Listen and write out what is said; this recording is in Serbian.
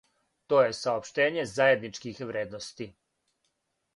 То је саопштење заједничких вредности.